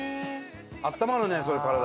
あったまるねそれ体。